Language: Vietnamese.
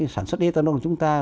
sản xuất ethanol của chúng ta